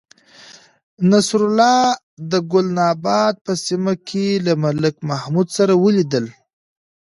نصرالله د گلناباد په سیمه کې له ملک محمود سره ولیدل.